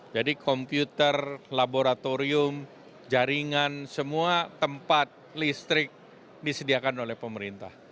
jadi komputer laboratorium jaringan semua tempat listrik disediakan oleh pemerintah